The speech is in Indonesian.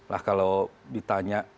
lah kalau ditanya